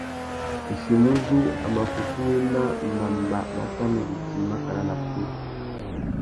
Ichimuzú, a mà kutu wena mamba má tà nu zu djï makana na puna.